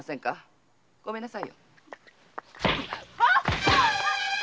ごめんなさい！